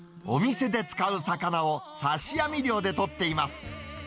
お店で使う魚を刺し網漁で取っています。